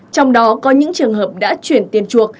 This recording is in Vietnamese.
trong đó có những trường hợp đã chuyển tiền chuộc